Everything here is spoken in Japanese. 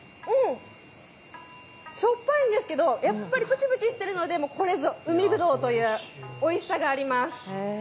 しょっぱいんですけど、プチプチしてるのでこれぞ、うみぶどうというおいしさがあります。